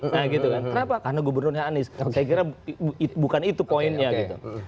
nah gitu kan kenapa karena gubernurnya anies saya kira bukan itu poinnya gitu